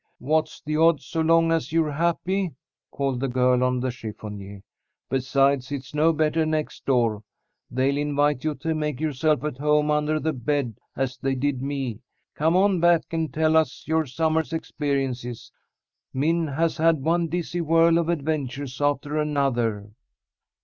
"What's the odds so long as you're happy?" called the girl on the chiffonier. "Besides, it's no better next door. They'll invite you to make yourself at home under the bed, as they did me. Come on back and tell us your summer's experiences. Min has had one dizzy whirl of adventures after another."